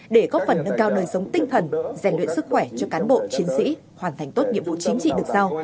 để góp phần nâng cao nơi sống tinh thần giải luyện sức khỏe cho cán bộ chiến sĩ hoàn thành tốt nhiệm vụ chính trị được sao